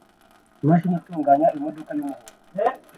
Imashini itunganya imodoka yumuhondo